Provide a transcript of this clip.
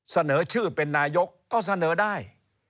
เสนอชื่อเป็นนายกก็เสนอได้